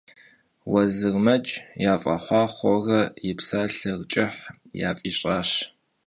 Vuezırmec yaf'exhuaxhueure yi psalher ç'ıh yaf'iş'aş.